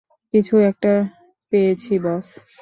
কিছু একটা পেয়েছি বস।